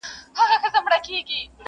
قلم هلته پاچا دی او کتاب پکښي وزیر دی,